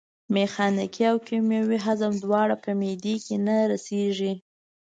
میخانیکي او کیمیاوي هضم دواړه په معدې کې نه رسېږي.